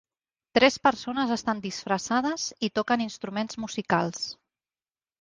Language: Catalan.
Tres persones estan disfressades i toquen instruments musicals.